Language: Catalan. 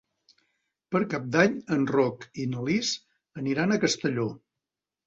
Per Cap d'Any en Roc i na Lis aniran a Castelló.